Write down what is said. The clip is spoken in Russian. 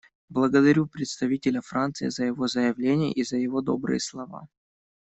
Благодарю представителя Франции за его заявление и за его добрые слова.